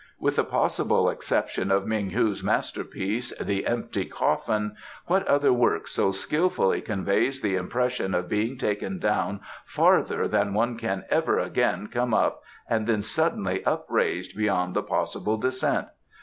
With the possible exception of Meng hu's masterpiece, 'The Empty Coffin,' what other work so skilfully conveys the impression of being taken down farther than one can ever again come up and then suddenly upraised beyond the possible descent?